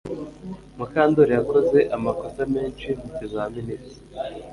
Mukandoli yakoze amakosa menshi mukizamini cye